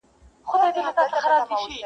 په تلاښ د وظیفې سوه د خپل ځانه,